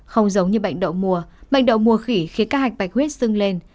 không giống như bệnh độ mùa bệnh độ mùa khỉ khi các hạch bạch huyết sưng lên